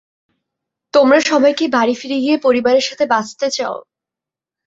তোমরা সবাই কি বাড়ি ফিরে গিয়ে পরিবারের সাথে বাঁচতে চাও?